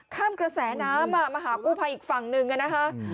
ข้ามกระแสน้ำอ่ะมาหากู้ภัยอีกฝั่งหนึ่งค่ะนะคะ